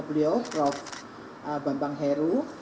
beliau prof bambang heru